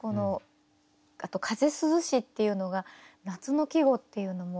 あと「風涼し」っていうのが夏の季語っていうのも。